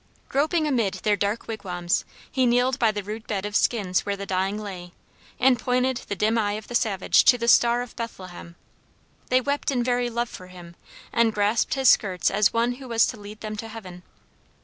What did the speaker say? Groping amid their dark wigwams, he kneeled by the rude bed of skins where the dying lay, and pointed the dim eye of the savage to the Star of Bethlehem. They wept in very love for him, and grasped his skirts as one who was to lead them to heaven.